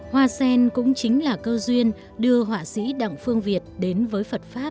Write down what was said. hoa sen cũng chính là cơ duyên đưa họa sĩ đặng phương việt đến với phật pháp